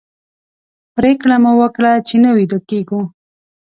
پرېکړه مو وکړه چې نه ویده کېږو.